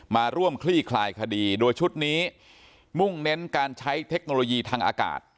มาร่วมคลี่คลายคดีโดยชุดนี้มุ่งเน้นการใช้เทคโนโลยีทางอากาศ